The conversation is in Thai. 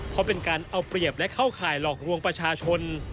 เพราะเป็นการเอาเปรียบและเข้าข่ายหลอกลวงประชาชน